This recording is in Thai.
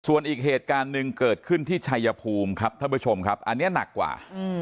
ส่วนอีกเหตุการณ์หนึ่งเกิดขึ้นที่ชัยภูมิครับท่านผู้ชมครับอันนี้หนักกว่า